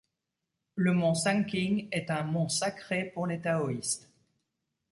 Le mont Sanqing, est un mont sacré pour les taoïstes.